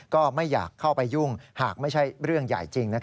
ก็ไม่อยากเข้าไปยุ่งหากไม่ใช่เรื่องใหญ่จริง